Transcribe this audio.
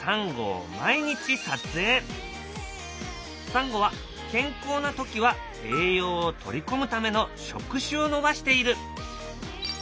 サンゴは健康な時は栄養を取り込むための触手を伸ばしている。